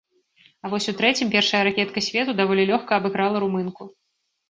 А вось у трэцім першая ракетка свету даволі лёгка абыграла румынку.